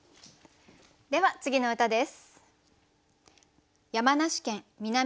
では次の歌です。